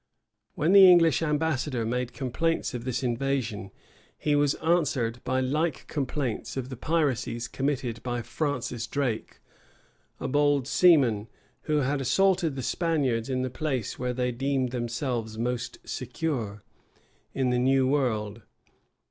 [*] When the English ambassador made complaints of this invasion, he was answered by like complaints of the piracies committed by Francis Drake, a bold seaman, who had assaulted the Spaniards in the place where they deemed themselves most secure in the new world.